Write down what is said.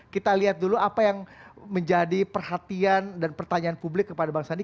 kita lihat dulu apa yang menjadi perhatian dan pertanyaan publik kepada bang sandi